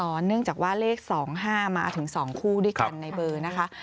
เนื่องจากว่าเลข๒๕มาถึง๒คู่ด้วยกันในเบอร์นะคะ